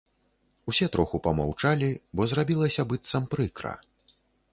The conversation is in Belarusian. Усе троху памаўчалі, бо зрабілася быццам прыкра.